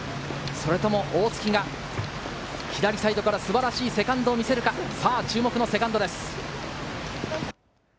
それとも大槻が、左サイドから素晴らしいセカンドを見せるか、さぁ注目のセカンドです。